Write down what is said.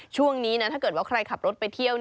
ช่วงนี้นะถ้าเกิดว่าใครขับรถไปเที่ยว